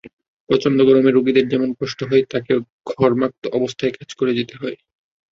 প্রচণ্ড গরমে রোগীদের যেমন কষ্ট হয়, তাঁকেও ঘর্মাক্ত অবস্থায় কাজ করতে হয়।